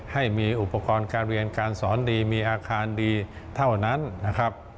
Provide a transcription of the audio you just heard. ให้มีอุปกรณ์การเรียนการสอนดีมีอาคารดีเท่านั้นนะครับ